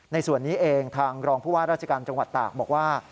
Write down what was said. ในส่วนนี้เองทางรองผู้ว่าราชการจังหวัดตากบอกว่า